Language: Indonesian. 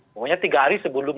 pokoknya tiga hari sebelum